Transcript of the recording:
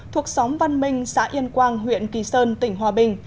thuộc xóm văn minh xã yên quang huyện kỳ sơn tỉnh hòa bình